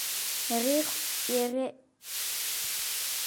Ирехъу ар Ӏэхъуэ.